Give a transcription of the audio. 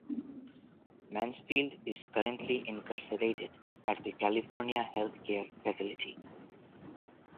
Mansfield is currently incarcerated at the California Health Care Facility.